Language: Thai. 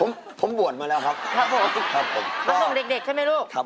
เป็นเรื่องราวของแม่นาคกับพี่ม่าครับ